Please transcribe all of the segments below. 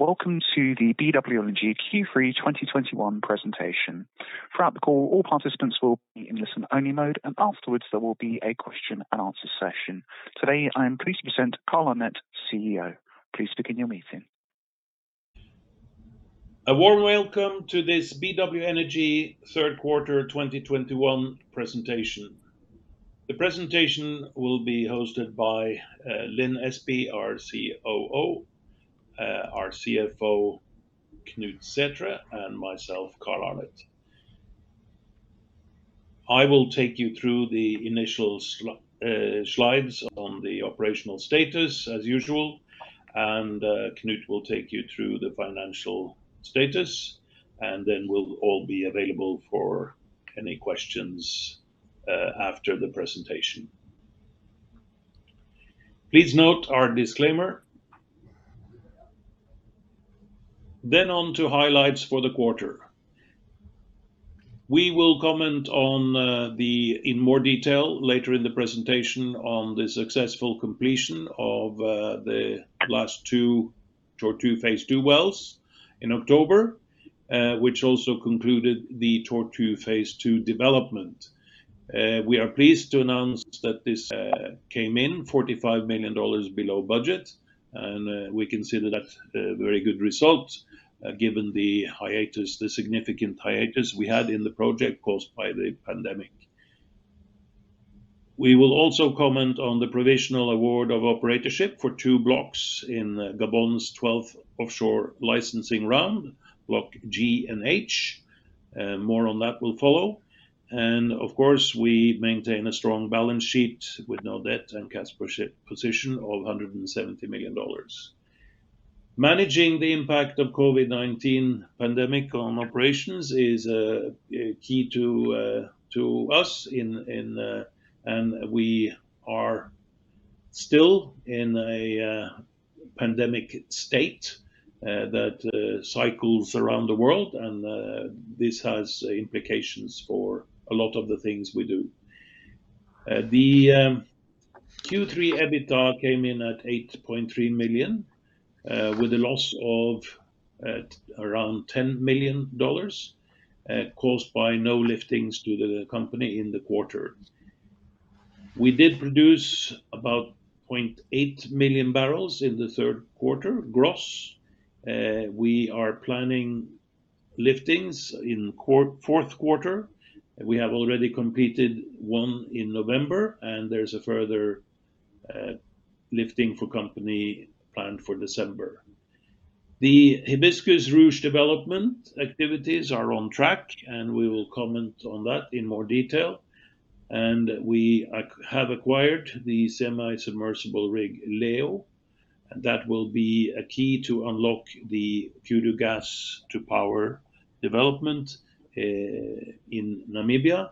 Welcome to the BW Energy Q3 2021 presentation. Throughout the call, all participants will be in listen-only mode, and afterwards there will be a question and answer session. Today, I am pleased to present Carl Arnet, CEO. Please begin your meeting. A warm welcome to this BW Energy Q3 2021 presentation. The presentation will be hosted by Lin Espey, our COO, our CFO, Knut Sæthre, and myself, Carl Arnet. I will take you through the initial slides on the operational status as usual, and Knut will take you through the financial status. We'll all be available for any questions after the presentation. Please note our disclaimer. On to highlights for the quarter. We will comment on them in more detail later in the presentation on the successful completion of the last two Tortue Phase 2 wells in October, which also concluded the Tortue Phase 2 development. We are pleased to announce that this came in $45 million below budget, and we consider that a very good result, given the significant hiatus we had in the project caused by the pandemic. We will also comment on the provisional award of operatorship for two blocks in Gabon's 12th offshore licensing round, Block G and H. More on that will follow. Of course, we maintain a strong balance sheet with no debt and cash position of $170 million. Managing the impact of COVID-19 pandemic on operations is key to us, and we are still in a pandemic state that cycles around the world and this has implications for a lot of the things we do. The Q3 EBITDA came in at $8.3 million, with a loss of around $10 million, caused by no liftings to the company in the quarter. We did produce about 0.8 million barrels in the third quarter gross. We are planning liftings in fourth quarter. We have already completed one in November, and there's a further lifting for company planned for December. The Hibiscus/Ruche development activities are on track, and we will comment on that in more detail. We have acquired the semi-submersible rig, Leo, that will be a key to unlock the Kudu gas to power development in Namibia,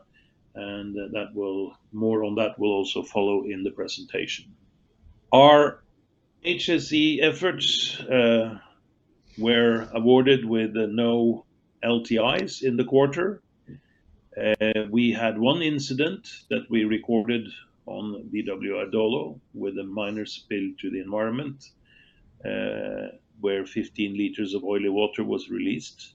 and more on that will also follow in the presentation. Our HSE efforts were awarded with no LTIs in the quarter. We had one incident that we recorded on BW Adolo with a minor spill to the environment, where 15 liters of oily water was released.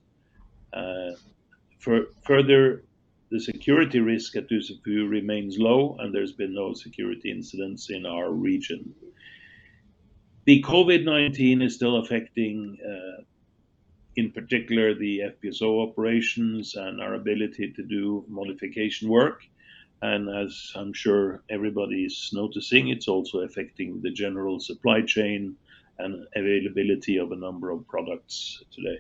Further, the security risk at Dussafu remains low, and there's been no security incidents in our region. The COVID-19 is still affecting, in particular, the FPSO operations and our ability to do modification work. As I'm sure everybody's noticing, it's also affecting the general supply chain and availability of a number of products today.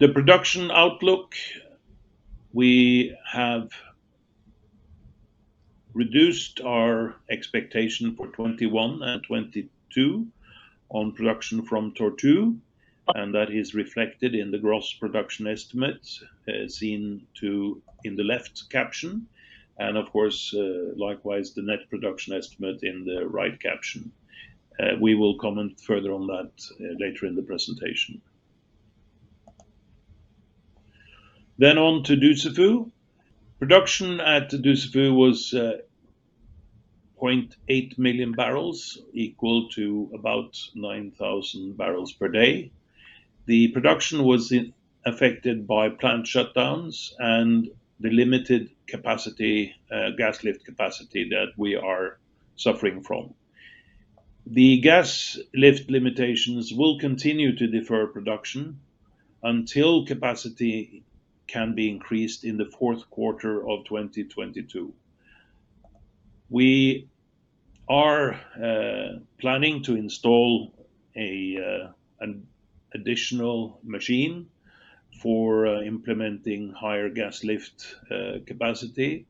The production outlook, we have reduced our expectation for 2021 and 2022 on production from Tortue, and that is reflected in the gross production estimate, seen in the left caption and, of course, likewise, the net production estimate in the right caption. We will comment further on that later in the presentation. On to Dussafu. Production at Dussafu was 0.8 million barrels equal to about 9,000 barrels per day. The production was affected by plant shutdowns and the limited capacity, gas lift capacity that we are suffering from. The gas lift limitations will continue to defer production until capacity can be increased in the fourth quarter of 2022. We are planning to install an additional machine for implementing higher gas lift capacity.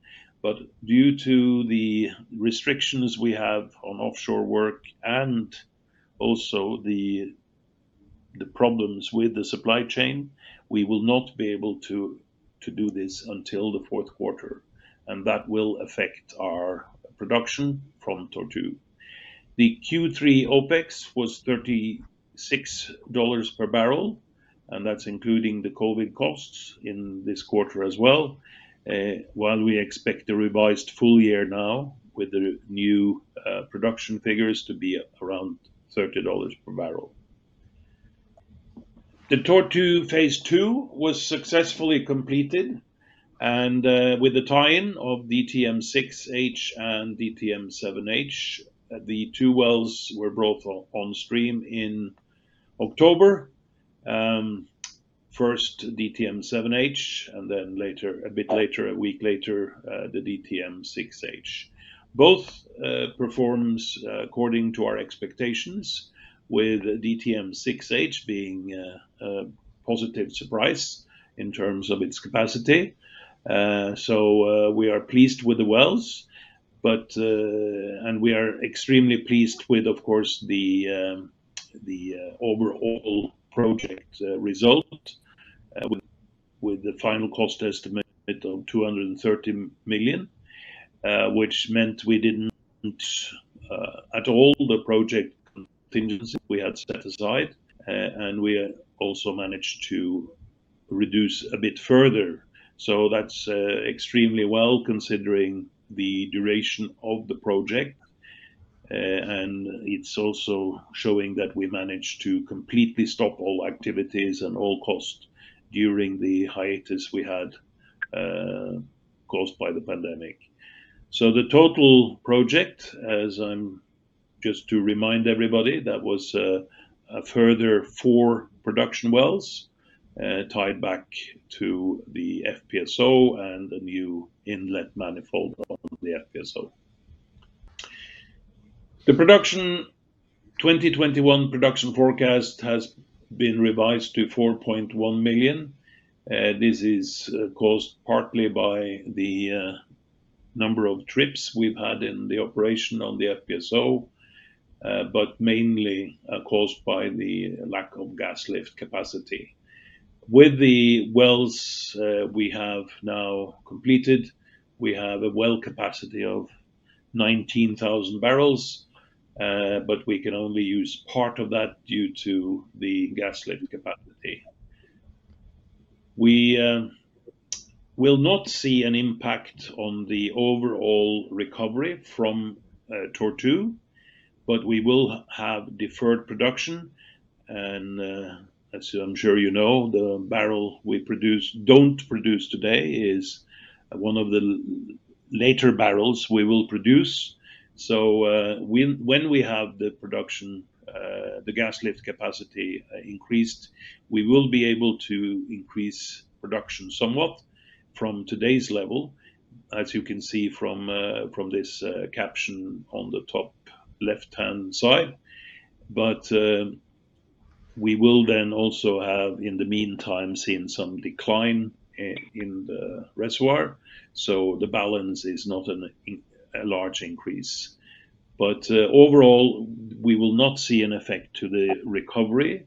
Due to the restrictions we have on offshore work and also the problems with the supply chain, we will not be able to do this until the fourth quarter, and that will affect our production from Tortue. The Q3 OpEx was $36 per barrel. That's including the COVID costs in this quarter as well. While we expect a revised full year now with the new production figures to be around $30 per barrel. The Tortue Phase 2 was successfully completed, and with the tie-in of DTM-6H and DTM-7H, the two wells were both on stream in October. First DTM-7H and then later, a bit later, a week later, the DTM-6H. Both performs according to our expectations with DTM-6H being a positive surprise in terms of its capacity. We are pleased with the wells, but we are extremely pleased with, of course, the overall project result with the final cost estimate of $230 million, which meant we didn't use at all the project contingency we had set aside. We also managed to reduce a bit further. That's extremely well considering the duration of the project. It's also showing that we managed to completely stop all activities and all costs during the hiatus we had, caused by the pandemic. The total project, just to remind everybody, that was a further four production wells, tied back to the FPSO and a new inlet manifold on the FPSO. The 2021 production forecast has been revised to 4.1 million. This is caused partly by the number of trips we've had in the operation on the FPSO, but mainly are caused by the lack of gas lift capacity. With the wells we have now completed, we have a well capacity of 19,000 barrels, but we can only use part of that due to the gas lift capacity. We will not see an impact on the overall recovery from Tortue, but we will have deferred production and, as I'm sure you know, the barrel we don't produce today is one of the later barrels we will produce. When we have the production, the gas lift capacity increased, we will be able to increase production somewhat from today's level, as you can see from this caption on the top left-hand side. We will then also have, in the meantime, seen some decline in the reservoir, so the balance is not a large increase. Overall, we will not see an effect to the recovery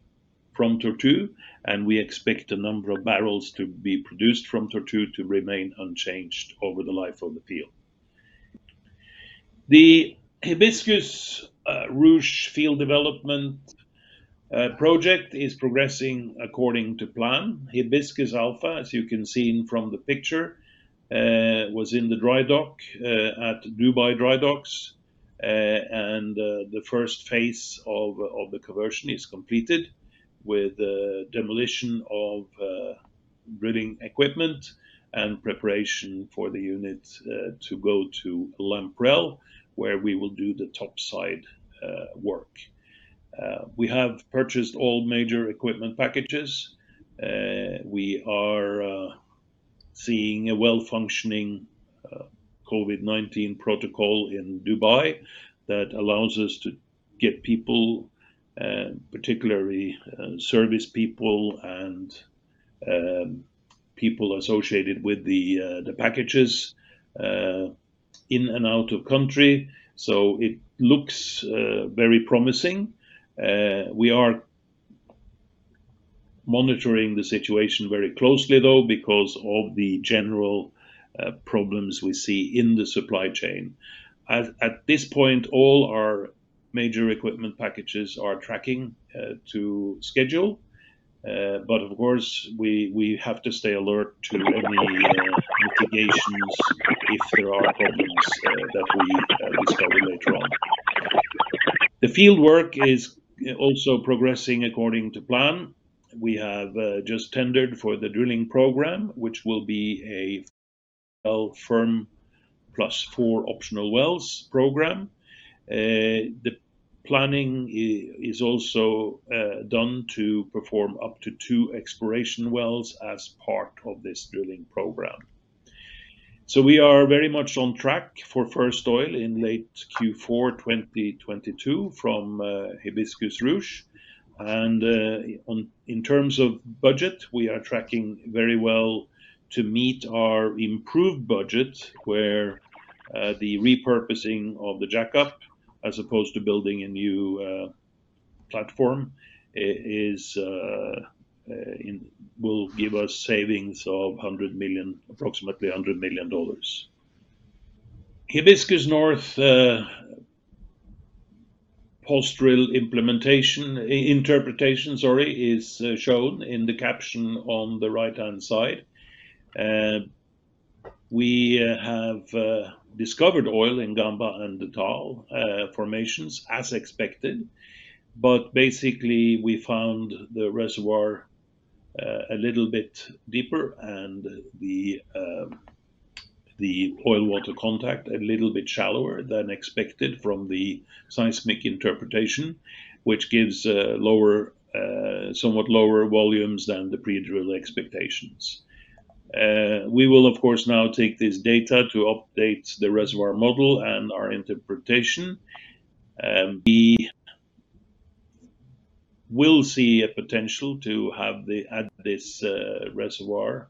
from Tortue, and we expect the number of barrels to be produced from Tortue to remain unchanged over the life of the field. The Hibiscus/Ruche field development project is progressing according to plan. Hibiscus Alpha, as you can see from the picture, was in the dry dock at Dubai Drydocks. The first phase of the conversion is completed with the demolition of drilling equipment and preparation for the unit to go to Lamprell, where we will do the topside work. We have purchased all major equipment packages. We are seeing a well-functioning COVID-19 protocol in Dubai that allows us to get people, particularly, service people and people associated with the packages, in and out of country. It looks very promising. We are monitoring the situation very closely though, because of the general problems we see in the supply chain. At this point, all our major equipment packages are tracking to schedule. Of course, we have to stay alert to any mitigations if there are problems that we discover later on. The field work is also progressing according to plan. We have just tendered for the drilling program, which will be a firm +4 optional wells program. The planning is also done to perform up to two exploration wells as part of this drilling program. We are very much on track for first oil in late Q4 2022 from Hibiscus/Ruche. In terms of budget, we are tracking very well to meet our improved budget where the repurposing of the jack-up as opposed to building a new platform will give us savings of $100 million, approximately $100 million. Hibiscus North post-drill implementation interpretation is shown in the caption on the right-hand side. We have discovered oil in Gamba and the Dentale formations as expected. Basically, we found the reservoir a little bit deeper and the oil-water contact a little bit shallower than expected from the seismic interpretation, which gives somewhat lower volumes than the pre-drill expectations. We will of course now take this data to update the reservoir model and our interpretation. We will see a potential to add this reservoir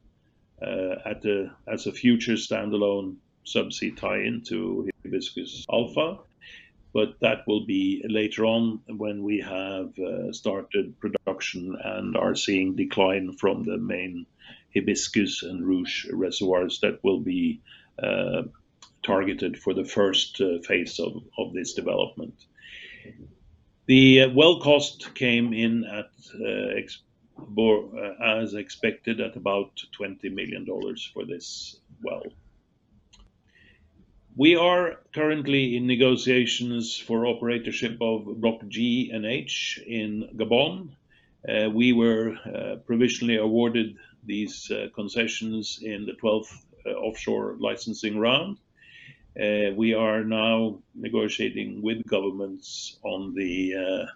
as a future standalone subsea tie-in to Hibiscus Alpha. That will be later on when we have started production and are seeing decline from the main Hibiscus and Ruche reservoirs that will be targeted for the first phase of this development. The well cost came in as expected at about $20 million for this well. We are currently in negotiations for operatorship of Block G12-13 and H12-13 in Gabon. We were provisionally awarded these concessions in the 12th offshore licensing round. We are now negotiating with governments on the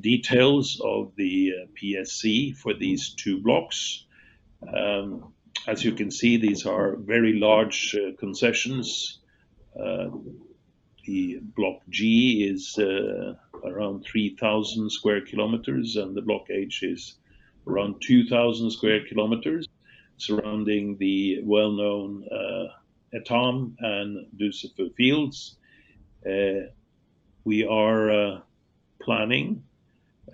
details of the PSC for these two blocks. As you can see, these are very large concessions. Block G12-13 is around 3,000 sq km, and Block H12-13 is around 2,000 sq km surrounding the well-known Etame and Lucifer fields. We are planning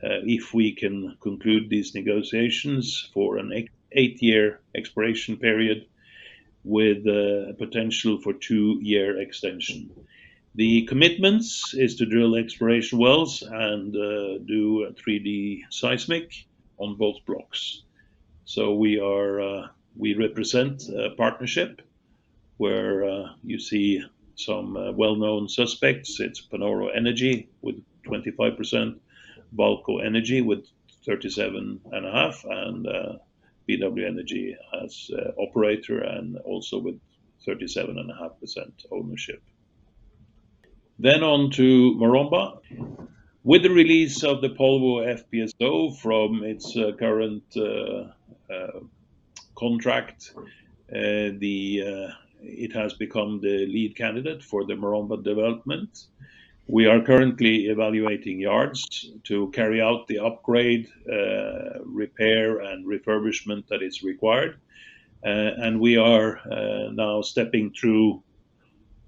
if we can conclude these negotiations for an eight-year exploration period with a potential for two-year extension. The commitments is to drill exploration wells and do a 3-D seismic on both blocks. We represent a partnership where you see some well-known suspects. It's Panoro Energy with 25%, Vaalco Energy with 37.5%, and BW Energy as operator and also with 37.5% ownership. On to Maromba. With the release of the Polvo FPSO from its current contract, it has become the lead candidate for the Maromba development. We are currently evaluating yards to carry out the upgrade, repair, and refurbishment that is required. We are now stepping through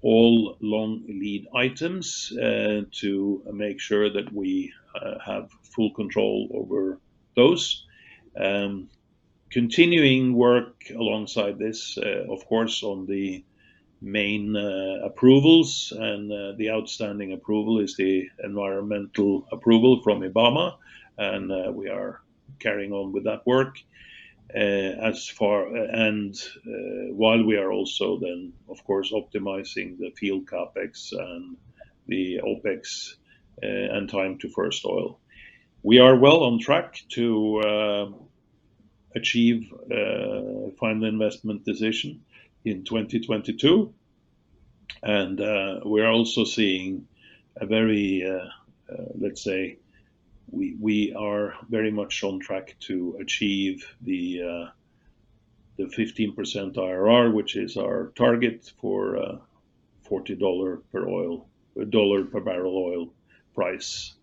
all long lead items to make sure that we have full control over those. Continuing work alongside this, of course, on the main approvals and the outstanding approval is the environmental approval from IBAMA, and we are carrying on with that work. As far... While we are also, of course, optimizing the field CapEx and the OpEx and time to first oil. We are well on track to achieve a final investment decision in 2022, and we are very much on track to achieve the 15% IRR, which is our target for $40 per barrel oil price.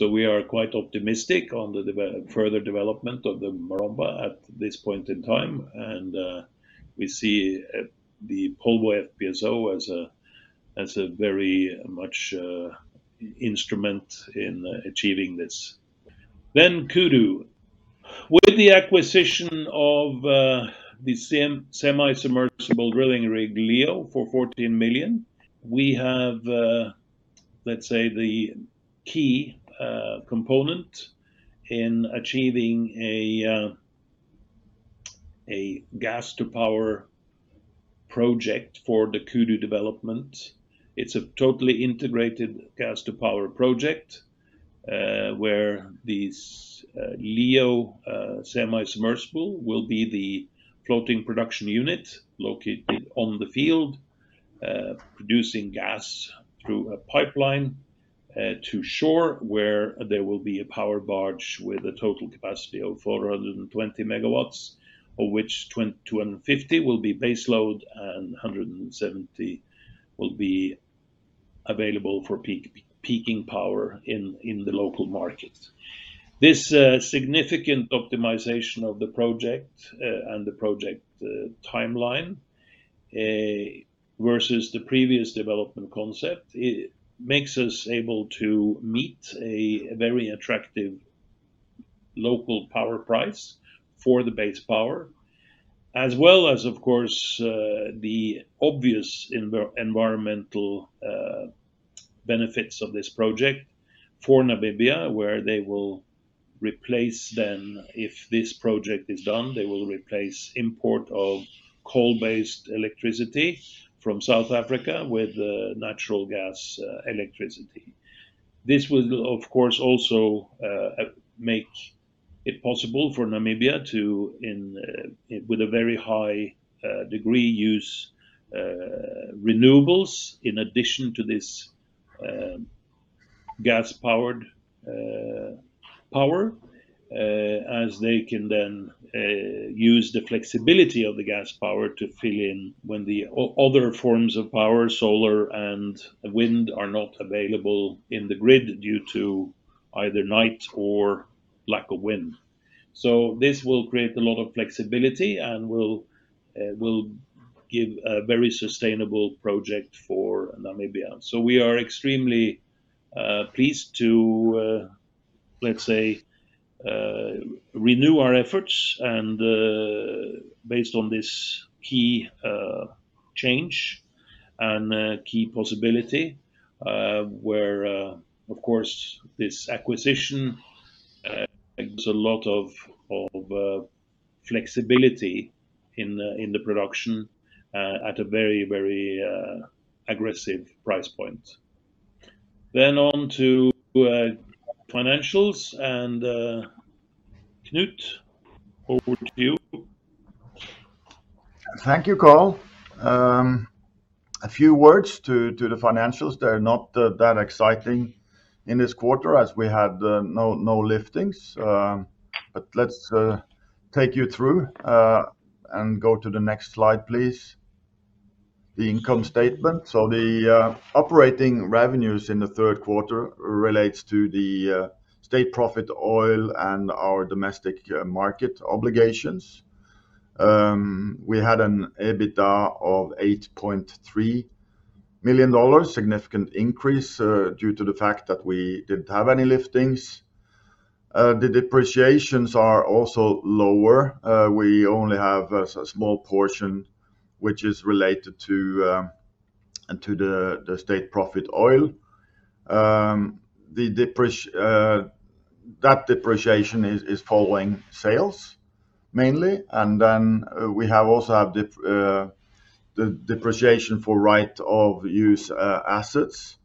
We are quite optimistic on the further development of the Maromba at this point in time and we see the Polvo FPSO as a very much instrument in achieving this. Kudu. With the acquisition of the semi-submersible drilling rig, Leo, for $14 million, we have, let's say, the key component in achieving a gas to power project for the Kudu development. It's a totally integrated gas to power project, where this Leo semi-submersible will be the floating production unit located on the field, producing gas through a pipeline to shore, where there will be a power barge with a total capacity of 420 MW, of which 250 will be base load and 170 will be available for peaking power in the local market. This significant optimization of the project and timeline versus the previous development concept makes us able to meet a very attractive local power price for the base power, as well as, of course, the obvious environmental benefits of this project for Namibia, where if this project is done, they will replace import of coal-based electricity from South Africa with natural gas electricity. This will of course also make it possible for Namibia to, with a very high degree, use renewables in addition to this gas-powered power, as they can then use the flexibility of the gas power to fill in when the other forms of power, solar and wind, are not available in the grid due to either night or lack of wind. This will create a lot of flexibility and will give a very sustainable project for Namibia. We are extremely pleased to, let's say, renew our efforts and, based on this key change and key possibility, where, of course, this acquisition gives a lot of flexibility in the production at a very aggressive price point. On to financials and, Knut, over to you. Thank you, Carl. A few words to the financials. They're not that exciting in this quarter as we had no liftings, but let's take you through and go to the next slide, please. The income statement. The operating revenues in the third quarter relates to the state profit oil and our domestic market obligations. We had an EBITDA of $8.3 million, significant increase due to the fact that we didn't have any liftings. The depreciations are also lower. We only have a small portion which is related to the state profit oil. That depreciation is following sales mainly and then we also have the depreciation for right of use assets,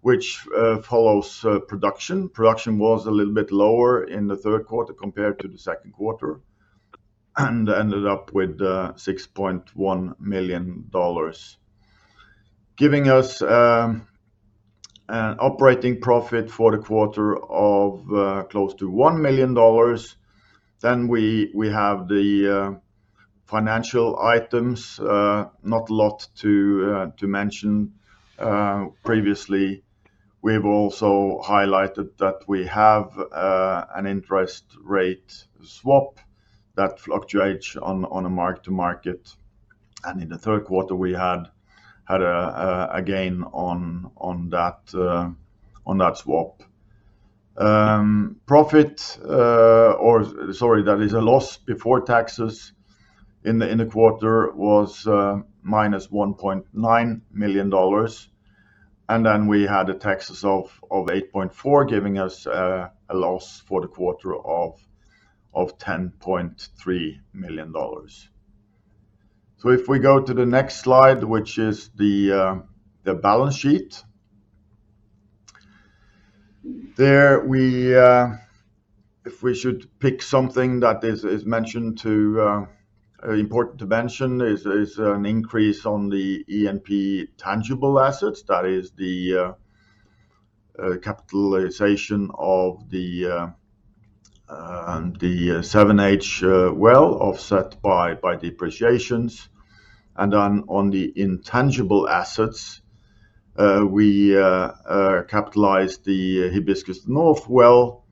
which follows production. Production was a little bit lower in the third quarter compared to the second quarter and ended up with $6.1 million, giving us an operating profit for the quarter of close to $1 million. We have the financial items, not a lot to mention. Previously, we have also highlighted that we have an interest rate swap that fluctuates on a mark to market. In the third quarter, we had a gain on that swap. That is a loss before taxes in the quarter was -$1.9 million, and then we had the taxes of $8.4 million, giving us a loss for the quarter of $10.3 million. If we go to the next slide, which is the balance sheet. There, if we should pick something that is important to mention is an increase on the E&P tangible assets. That is the capitalization of the 7H well offset by depreciations. On the intangible assets, we capitalized the Hibiscus North well,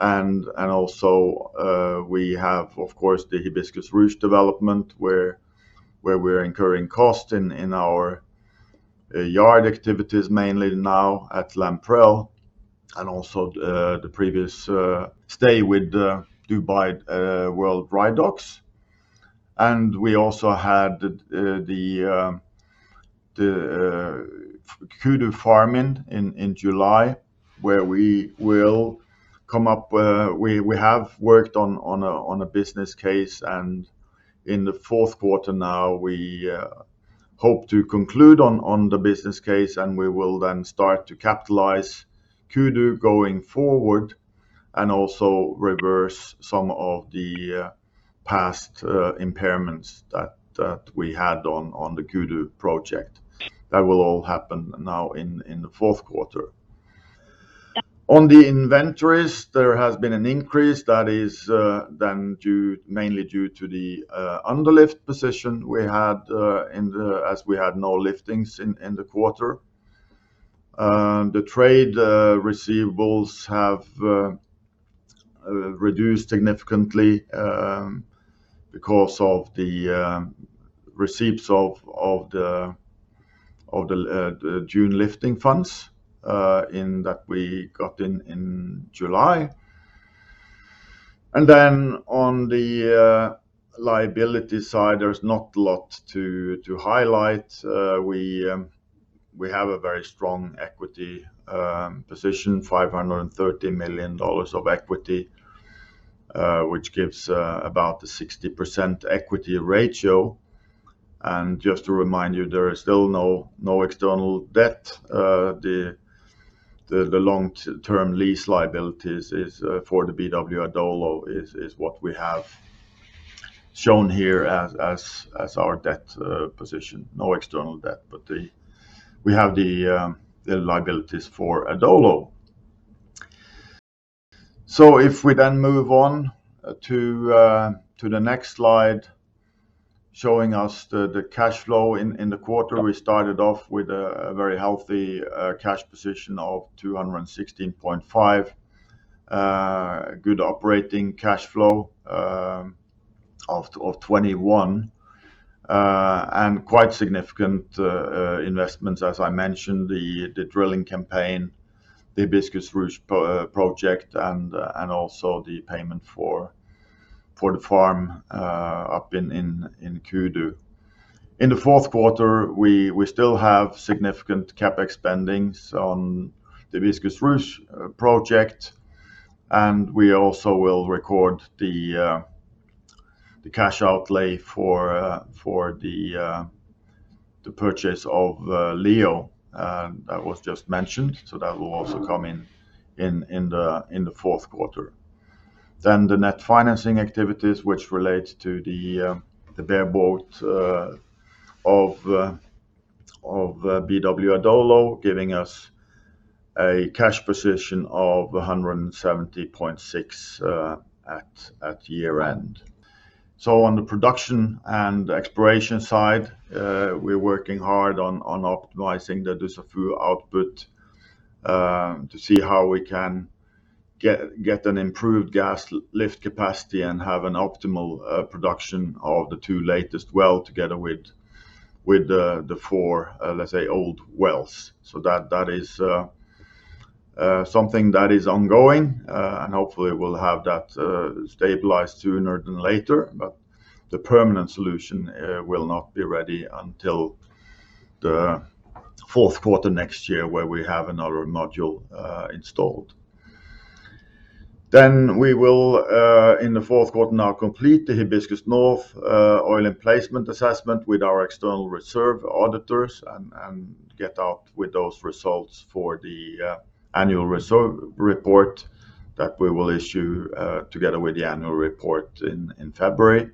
and also we have, of course, the Hibiscus/Ruche development where we're incurring costs in our yard activities, mainly now at Lamprell and also the previous stint with the Dubai Drydocks World. We also had the Kudu farm-in in July, where we will come up with. We have worked on a business case, and in the fourth quarter now, we hope to conclude on the business case, and we will then start to capitalize Kudu going forward and also reverse some of the past impairments that we had on the Kudu project. That will all happen now in the fourth quarter. On the inventories, there has been an increase that is then due, mainly due to the underlift position we had, as we had no liftings in the quarter. The trade receivables have reduced significantly, because of the receipts of the June lifting funds that we got in July. On the liability side, there's not a lot to highlight. We have a very strong equity position, $530 million of equity, which gives about a 60% equity ratio. Just to remind you, there is still no external debt. The long-term lease liabilities for the BW Adolo is what we have shown here as our debt position. No external debt. We have the liabilities for Adolo. If we then move on to the next slide showing us the cash flow in the quarter. We started off with a very healthy cash position of $216.5. Good operating cash flow of $21. Quite significant investments, as I mentioned, the drilling campaign, the Hibiscus/Ruche project, and also the payment for the farm-in in Kudu. In the fourth quarter, we still have significant CapEx spending on the Hibiscus/Ruche project, and we also will record the cash outlay for the purchase of Leo that was just mentioned. That will also come in the fourth quarter. The net financing activities, which relates to the bareboat of BW Adolo, giving us a cash position of $170.6 at year-end. On the production and exploration side, we're working hard on optimizing the Dussafu output, to see how we can get an improved gas lift capacity and have an optimal production of the two latest wells together with the four, let's say, old wells. That is something that is ongoing. Hopefully we'll have that stabilized sooner than later. The permanent solution will not be ready until the fourth quarter next year, where we have another module installed. We will in the fourth quarter now complete the Hibiscus North oil in place assessment with our external reserve auditors and get out with those results for the annual reserve report that we will issue together with the annual report in February.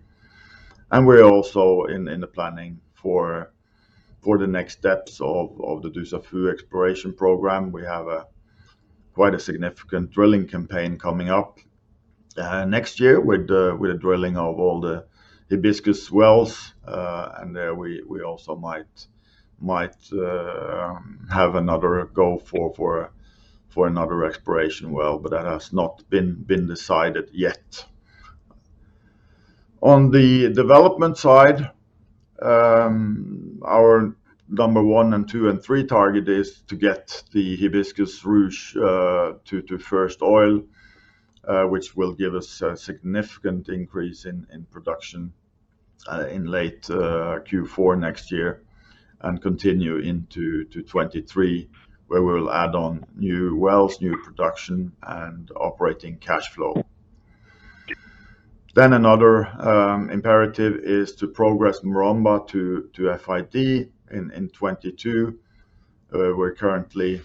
We're also in the planning for the next steps of the Dussafu exploration program. We have a significant drilling campaign coming up next year with the drilling of all the Hibiscus wells. There we also might have another go for another exploration well, but that has not been decided yet. On the development side, our number 1 and 2 and 3 target is to get the Hibiscus Ruche to first oil, which will give us a significant increase in production in late Q4 next year and continue into 2023, where we'll add on new wells, new production, and operating cash flow. Another imperative is to progress Maromba to FID in 2022. We're currently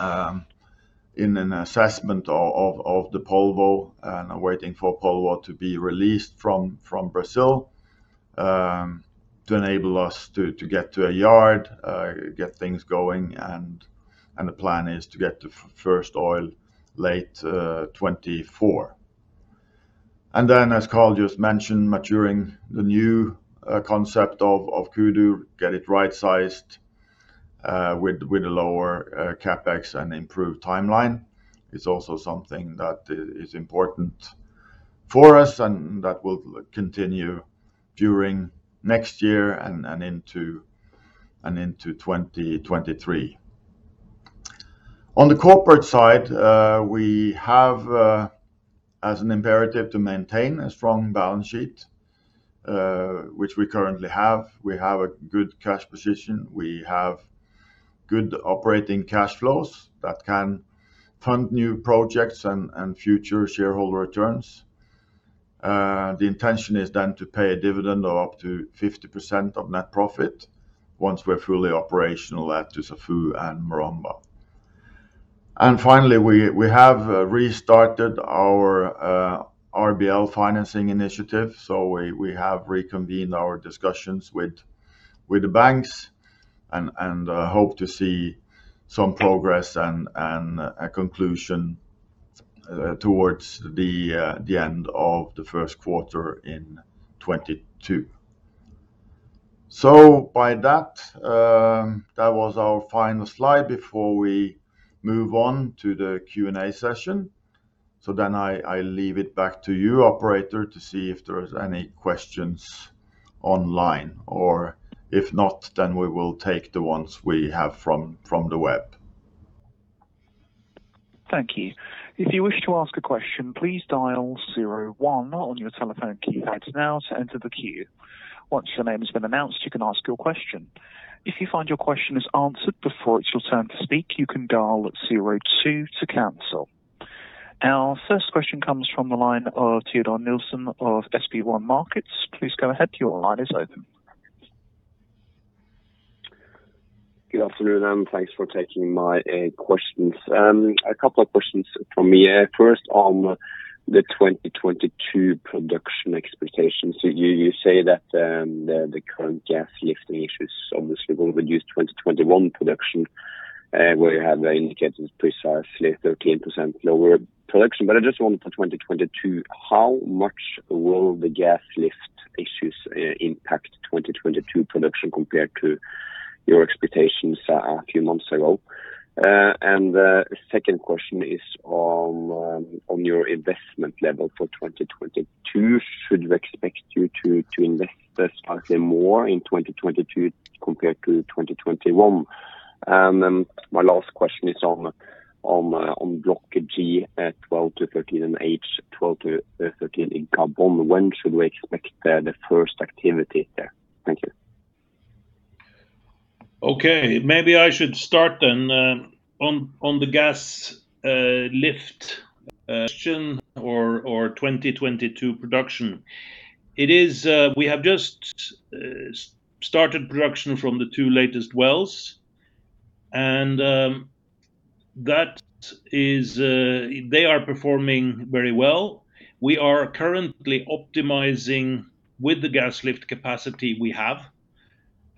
in an assessment of the Polvo and are waiting for Polvo to be released from Brazil to enable us to get to a yard, get things going, and the plan is to get to first oil late 2024. Then, as Carl just mentioned, maturing the new concept of Kudu, get it right-sized with a lower CapEx and improved timeline. It's also something that is important for us and that will continue during next year and into 2023. On the corporate side, we have as an imperative to maintain a strong balance sheet, which we currently have. We have a good cash position. We have good operating cash flows that can fund new projects and future shareholder returns. The intention is to pay a dividend of up to 50% of net profit once we're fully operational at Dussafu and Maromba. Finally, we have restarted our RBL financing initiative. We have reconvened our discussions with the banks and hope to see some progress and a conclusion towards the end of the first quarter in 2022. By that was our final slide before we move on to the Q&A session. I leave it back to you, operator, to see if there is any questions online, or if not, then we will take the ones we have from the web. Thank you. If you wish to ask a question, please dial zero one on your telephone keypad now to enter the queue. Once your name has been announced, you can ask your question. If you find your question is answered before it's your turn to speak, you can dial zero two to cancel. Our first question comes from the line of Teodor Sveen-Nilsen of SB1 Markets. Please go ahead, your line is open. Good afternoon, and thanks for taking my questions. A couple of questions from me. First on the 2022 production expectations. You say that the current gas lift issues obviously will reduce 2021 production, where you have indicated precisely 13% lower production. I just wonder for 2022, how much will the gas lift issues impact 2022 production compared to your expectations a few months ago? The second question is on your investment level for 2022. Should we expect you to invest slightly more in 2022 compared to 2021? My last question is on Block G12-13 and Block H12-13 in Gabon. When should we expect the first activity there? Thank you. Okay, maybe I should start then on the gas lift question or 2022 production. We have just started production from the two latest wells and that is, they are performing very well. We are currently optimizing with the gas lift capacity we have,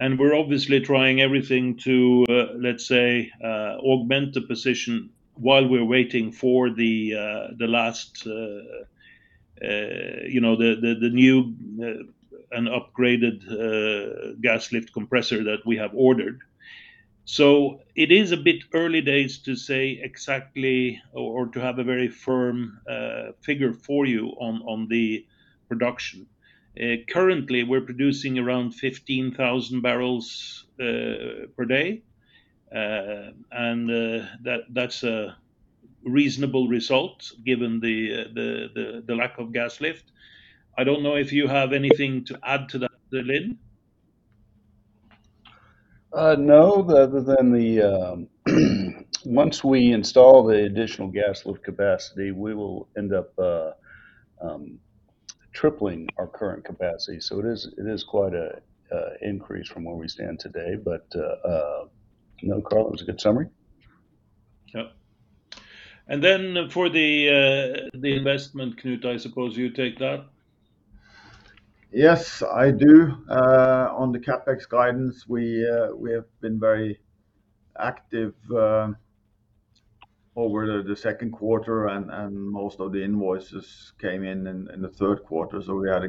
and we're obviously trying everything to, let's say, augment the position while we're waiting for the last you know, the new and upgraded gas lift compressor that we have ordered. It is a bit early days to say exactly or to have a very firm figure for you on the production. Currently, we're producing around 15,000 barrels per day. That's a reasonable result given the lack of gas lift. I don't know if you have anything to add to that, Lin. No, other than the once we install the additional gas lift capacity, we will end up tripling our current capacity. It is quite a increase from where we stand today. No, Carl, it was a good summary. Yeah. For the investment, Knut, I suppose you take that. Yes, I do. On the CapEx guidance, we have been very active over the second quarter and most of the invoices came in the third quarter. We had a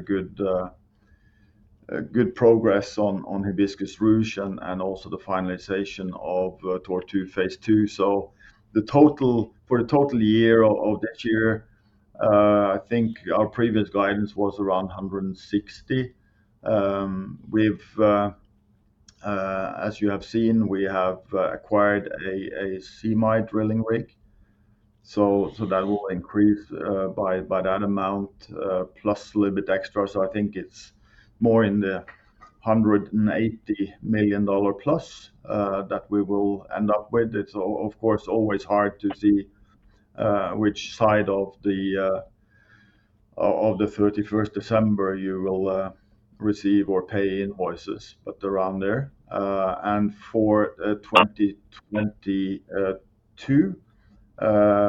good progress on Hibiscus/Ruche and also the finalization of Tortue Phase 2. For the total year of this year, I think our previous guidance was around $160 million. As you have seen, we have acquired a semi-submersible drilling rig. That will increase by that amount plus a little bit extra. I think it's more in the $180 million plus that we will end up with. It's of course always hard to see which side of the 31st December you will receive or pay invoices, but around there. For 2022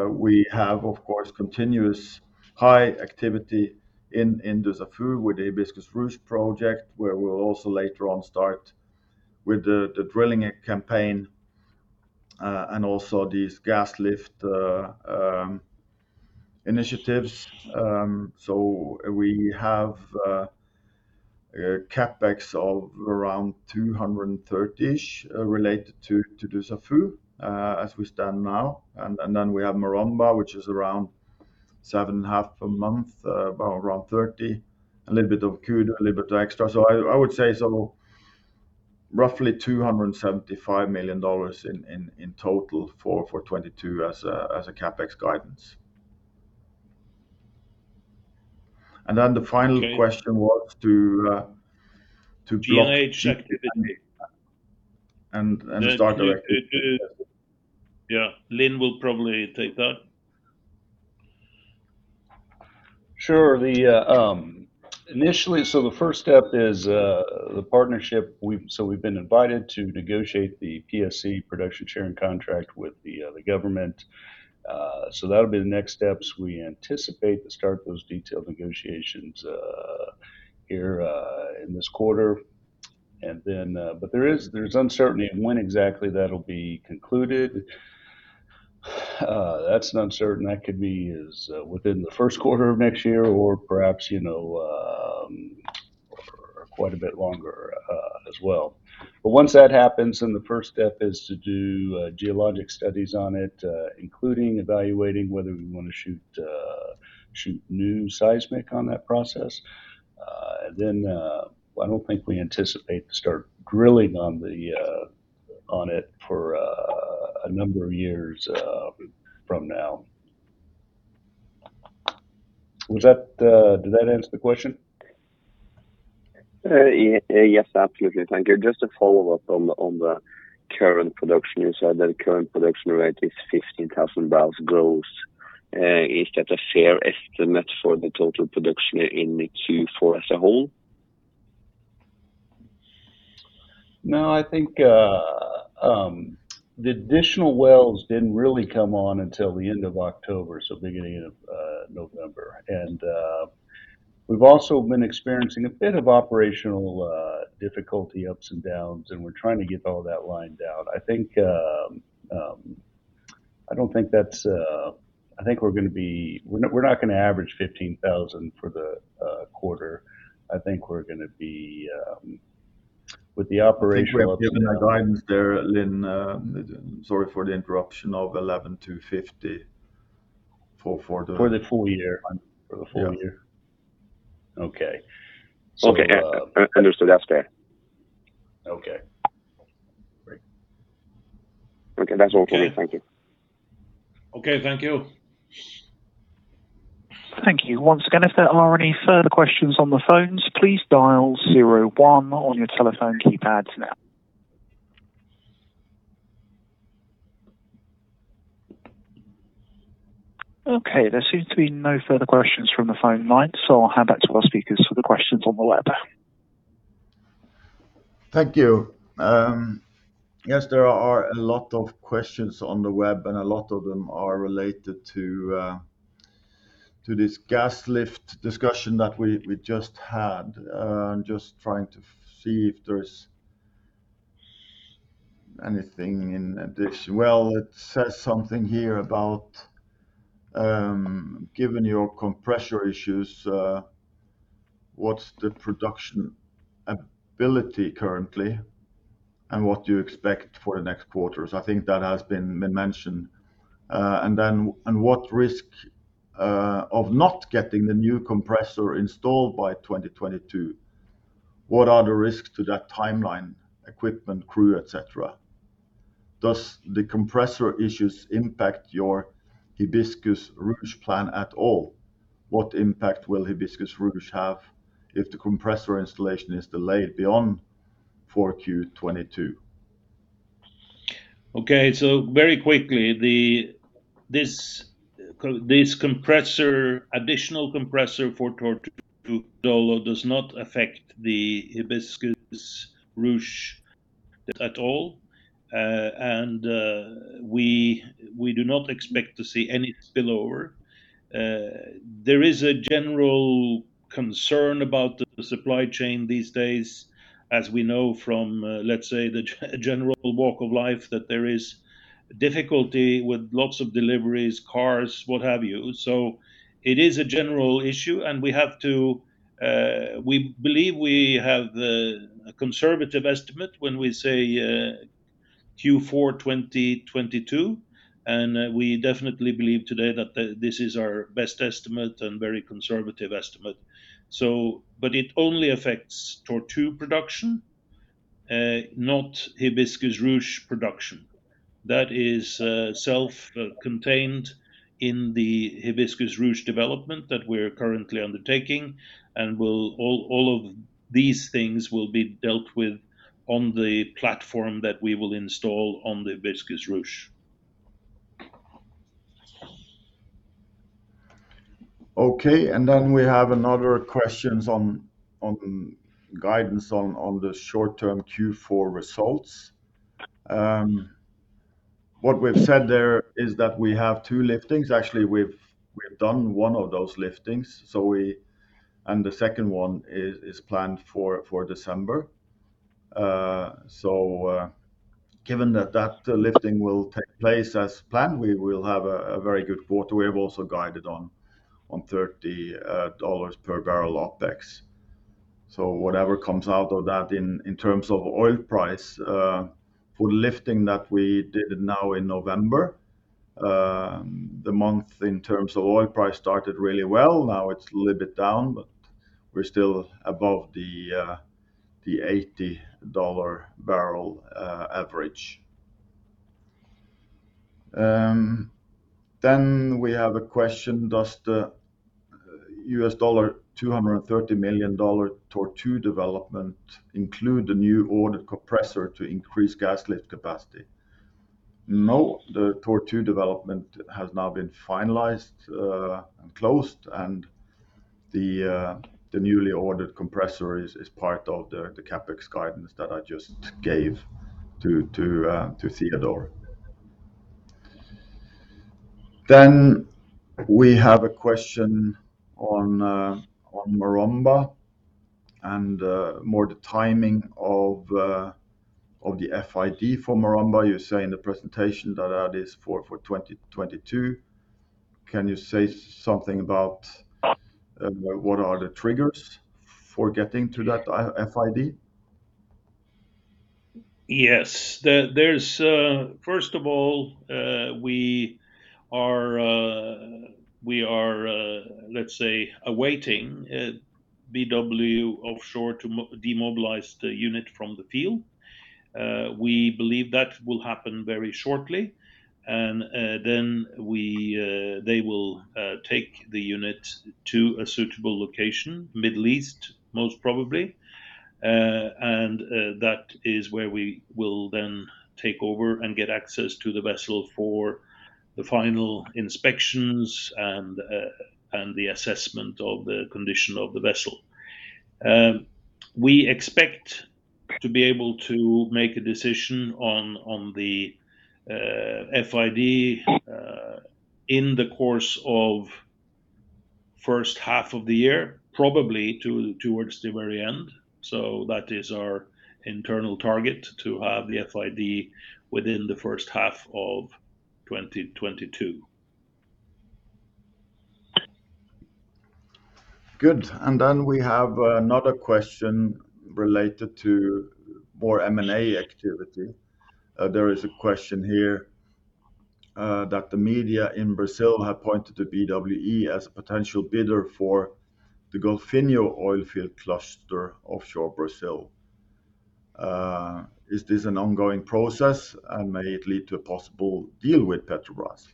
we have of course continuous high activity in Dussafu with the Hibiscus/Ruche project, where we'll also later on start with the drilling campaign and also these gas lift initiatives. We have a CapEx of around $230-ish related to Dussafu as we stand now. Then we have Maromba, which is around $7.5 a month, about around $30. A little bit of Kudu, a little bit extra. I would say roughly $275 million in total for 2022 as a CapEx guidance. The final question was to Block- And- Just directly- Yeah. Lin will probably take that. Sure. Initially, the first step is the partnership. We've been invited to negotiate the PSC, production sharing contract, with the government. So that'll be the next steps. We anticipate to start those detailed negotiations here in this quarter. But there's uncertainty in when exactly that'll be concluded. That's uncertain. That could be as within the first quarter of next year or perhaps, you know. Quite a bit longer as well. Once that happens, the first step is to do geologic studies on it, including evaluating whether we wanna shoot new seismic on that prospect. I don't think we anticipate to start drilling on it for a number of years from now. Did that answer the question? Yes, absolutely. Thank you. Just a follow-up on the current production. You said that current production rate is 15,000 barrels gross. Is that a fair estimate for the total production in the Q4 as a whole? No, I think the additional wells didn't really come on until the end of October, so beginning of November. We've also been experiencing a bit of operational difficulty, ups and downs, and we're trying to get all that lined out. I think we're gonna be. We're not gonna average 15,000 for the quarter. I think we're gonna be with the operational. I think we have given a guidance there, Lin. Sorry for the interruption, of $11-$50 for the- For the full year. For the full year. Okay. Okay, understood. That's fair. Okay. Great. Okay, that's all for me. Thank you. Okay, thank you. Thank you. Once again, if there are any further questions on the phones, please dial zero one on your telephone keypads now. Okay, there seems to be no further questions from the phone line, so I'll hand back to our speakers for the questions on the web. Thank you. Yes, there are a lot of questions on the web, and a lot of them are related to this gas lift discussion that we just had. I'm just trying to see if there's anything in addition. Well, it says something here about, given your compressor issues, what's the production ability currently, and what do you expect for the next quarters? I think that has been mentioned. What risk of not getting the new compressor installed by 2022, what are the risks to that timeline, equipment, crew, et cetera? Does the compressor issues impact your Hibiscus/Ruche plan at all? What impact will Hibiscus/Ruche have if the compressor installation is delayed beyond 4Q 2022? Okay, very quickly, this compressor, additional compressor for Tortue does not affect the Hibiscus/Ruche at all. We do not expect to see any spillover. There is a general concern about the supply chain these days, as we know from, let's say the general walk of life, that there is difficulty with lots of deliveries, cars, what have you. It is a general issue, and we believe we have a conservative estimate when we say Q4 2022, and we definitely believe today that this is our best estimate and very conservative estimate. It only affects Tortue production, not Hibiscus/Ruche production. That is self-contained in the Hibiscus/Ruche development that we're currently undertaking and will. All of these things will be dealt with on the platform that we will install on the Hibiscus/Ruche. We have another question on guidance on the short-term Q4 results. What we've said there is that we have two liftings. Actually, we've done one of those liftings, and the second one is planned for December. Given that that lifting will take place as planned, we will have a very good quarter. We have also guided on $30 per barrel OpEx. Whatever comes out of that in terms of oil price for lifting that we did now in November, the month in terms of oil price started really well. Now it's a little bit down, but we're still above the $80 barrel average. We have a question: Does the $230 million Tortue development include the new ordered compressor to increase gas lift capacity? No, the Tortue development has now been finalized and closed, and the newly ordered compressor is part of the CapEx guidance that I just gave to Teodor. We have a question on Maromba and more on the timing of the FID for Maromba. You say in the presentation that is for 2022. Can you say something about what are the triggers for getting to that FID? Yes. There is. First of all, we are, let's say, awaiting BW Offshore to demobilize the unit from the field. We believe that will happen very shortly, and then they will take the unit to a suitable location, Middle East most probably. And that is where we will then take over and get access to the vessel for the final inspections and the assessment of the condition of the vessel. We expect to be able to make a decision on the FID in the course of the first half of the year, probably towards the very end. That is our internal target, to have the FID within the first half of 2022. Good. We have another question related to more M&A activity. There is a question here that the media in Brazil have pointed to BWE as a potential bidder for the Golfinho oil field cluster offshore Brazil. Is this an ongoing process, and may it lead to a possible deal with Petrobras?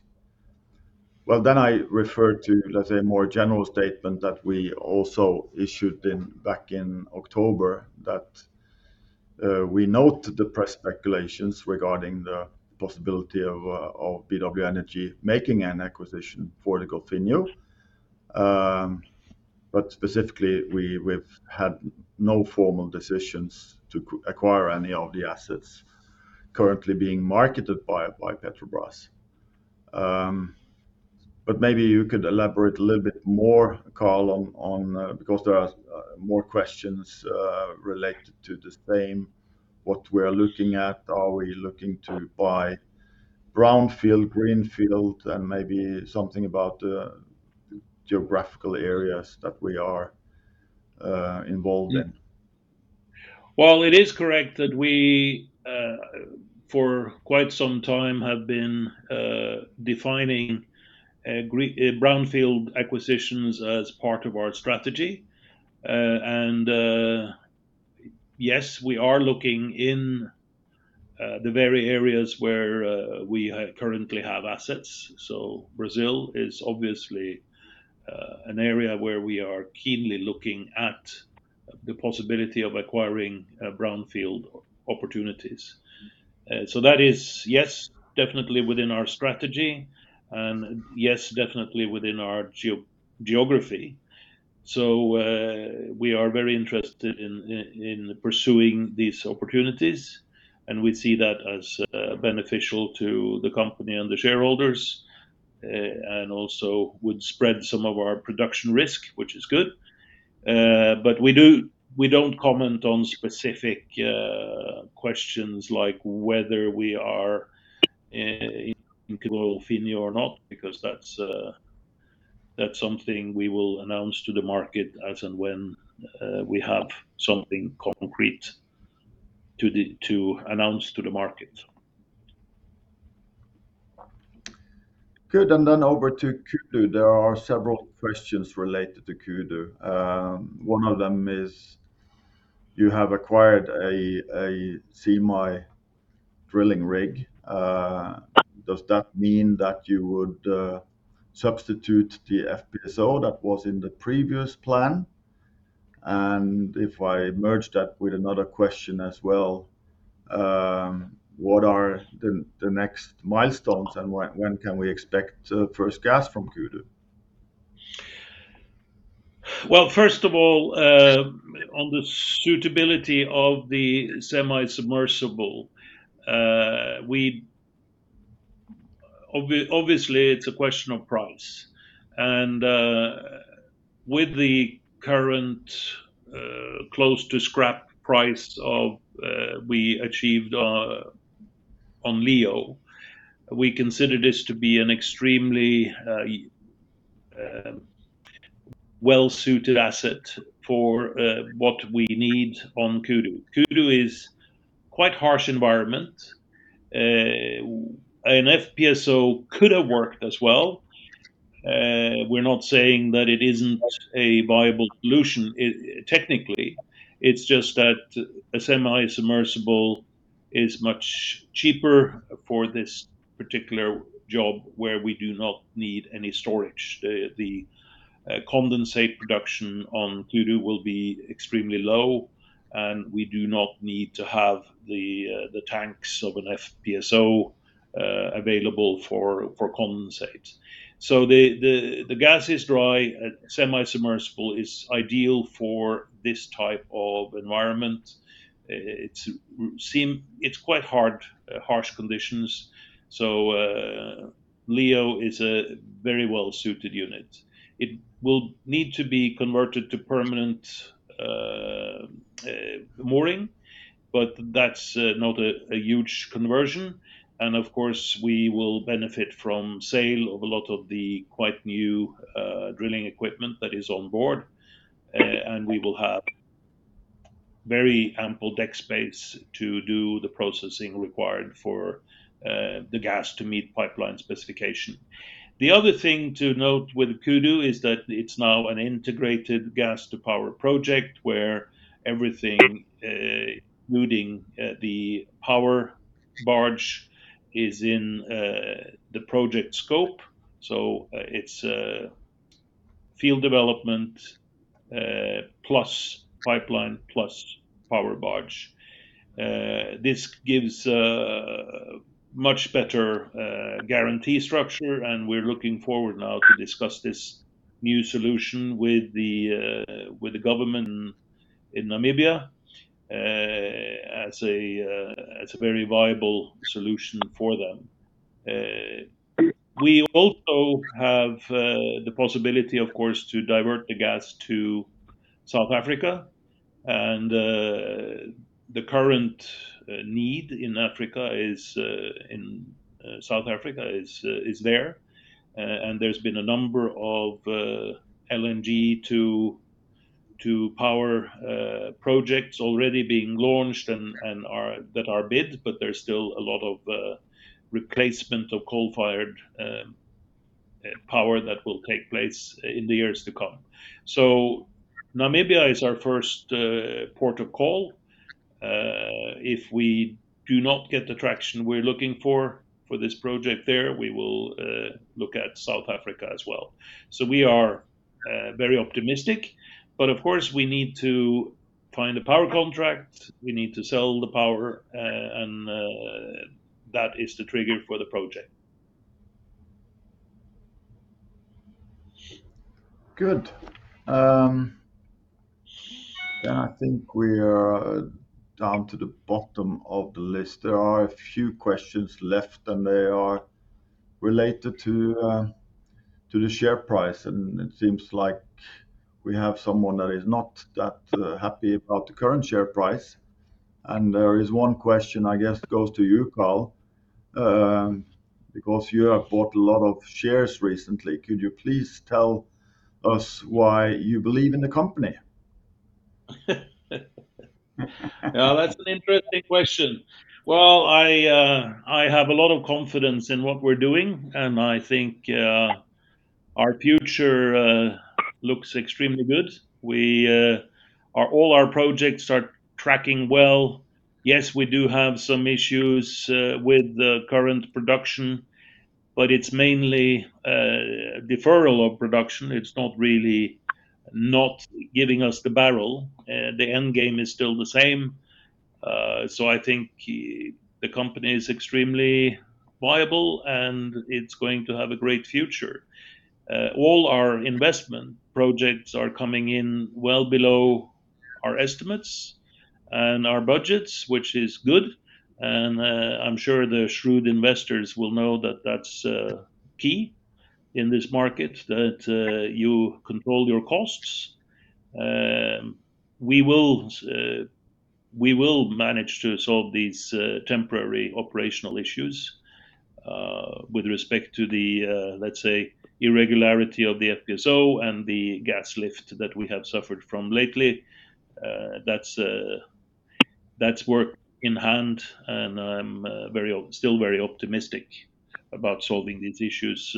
Well, I refer to, let's say, more general statement that we also issued in, back in October that we note the press speculations regarding the possibility of BW Energy making an acquisition for the Golfinho. But specifically, we've had no formal decisions to acquire any of the assets currently being marketed by Petrobras. But maybe you could elaborate a little bit more, Carl, because there are more questions related to the same, what we are looking at. Are we looking to buy brownfield, greenfield? Maybe something about geographical areas that we are involved in. Well, it is correct that we for quite some time have been defining brownfield acquisitions as part of our strategy. Yes, we are looking in the very areas where we currently have assets. Brazil is obviously an area where we are keenly looking at the possibility of acquiring brownfield opportunities. That is yes, definitely within our strategy, and yes, definitely within our geography. We are very interested in pursuing these opportunities, and we see that as beneficial to the company and the shareholders, and also would spread some of our production risk, which is good. We do, we don't comment on specific questions like whether we are into Golfinho or not, because that's something we will announce to the market as and when we have something concrete to announce to the market. Good. Over to Kudu. There are several questions related to Kudu. One of them is, you have acquired a semi drilling rig. Does that mean that you would substitute the FPSO that was in the previous plan? If I merge that with another question as well, what are the next milestones, and when can we expect first gas from Kudu? Well, first of all, on the suitability of the semi-submersible, we obviously it's a question of price. With the current close to scrap price we achieved on Leo, we consider this to be an extremely well-suited asset for what we need on Kudu. Kudu is quite harsh environment. An FPSO could have worked as well. We're not saying that it isn't a viable solution technically. It's just that a semi-submersible is much cheaper for this particular job where we do not need any storage. The condensate production on Kudu will be extremely low, and we do not need to have the tanks of an FPSO available for condensate. The gas is dry. A semi-submersible is ideal for this type of environment. It's quite hard, harsh conditions. Leo is a very well-suited unit. It will need to be converted to permanent mooring, but that's not a huge conversion. Of course, we will benefit from sale of a lot of the quite new drilling equipment that is on board. We will have very ample deck space to do the processing required for the gas to meet pipeline specification. The other thing to note with Kudu is that it's now an integrated gas-to-power project where everything, including the power barge is in the project scope. It's field development, plus pipeline, plus power barge. This gives a much better guarantee structure, and we're looking forward now to discuss this new solution with the government in Namibia as a very viable solution for them. We also have the possibility, of course, to divert the gas to South Africa, and the current need in Africa is in South Africa is there. There's been a number of LNG to power projects already being launched and that are bid, but there's still a lot of replacement of coal-fired power that will take place in the years to come. Namibia is our first port of call. If we do not get the traction we're looking for for this project there, we will look at South Africa as well. We are very optimistic, but of course, we need to find a power contract. We need to sell the power, and that is the trigger for the project. Good. I think we are down to the bottom of the list. There are a few questions left, and they are related to the share price, and it seems like we have someone that is not that happy about the current share price. There is one question I guess goes to you, Carl, because you have bought a lot of shares recently. Could you please tell us why you believe in the company? Yeah. That's an interesting question. Well, I have a lot of confidence in what we're doing, and I think our future looks extremely good. All our projects are tracking well. Yes, we do have some issues with the current production, but it's mainly deferral of production. It's not really not giving us the barrel. The end game is still the same. So I think the company is extremely viable, and it's going to have a great future. All our investment projects are coming in well below our estimates and our budgets, which is good, and I'm sure the shrewd investors will know that that's key in this market, that you control your costs. We will manage to solve these temporary operational issues with respect to the, let's say, irregularity of the FPSO and the gas lift that we have suffered from lately. That's work in hand, and I'm still very optimistic about solving these issues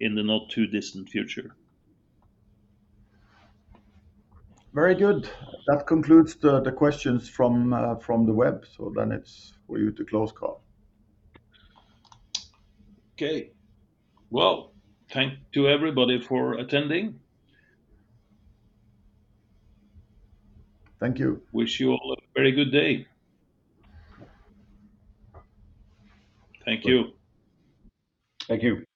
in the not too distant future. Very good. That concludes the questions from the web. It's for you to close, Carl. Okay. Well, thanks to everybody for attending. Thank you. Wish you all a very good day. Thank you. Thank you.